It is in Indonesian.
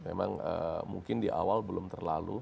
memang mungkin di awal belum terlalu